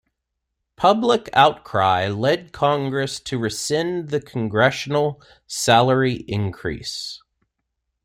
Public outcry led Congress to rescind the congressional salary increase.